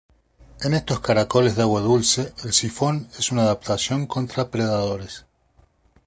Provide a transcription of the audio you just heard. En estos caracoles de agua dulce el sifón es una adaptación contra predadores.